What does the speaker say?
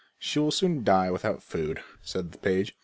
She will soon die without food," said the page.